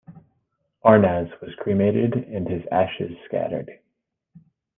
Arnaz was cremated and his ashes scattered.